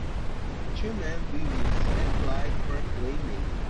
Two men building a set like for a play maybe.